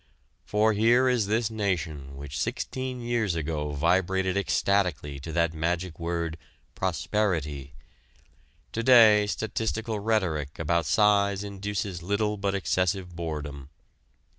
For here is this nation which sixteen years ago vibrated ecstatically to that magic word "Prosperity"; to day statistical rhetoric about size induces little but excessive boredom.